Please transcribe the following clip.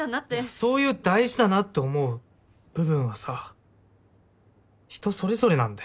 そういう大事だなって思う部分はさ人それぞれなんだよ。